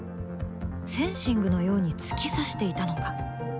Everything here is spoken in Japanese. フェンシングのように突き刺していたのか？